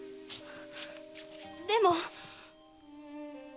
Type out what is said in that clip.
でも！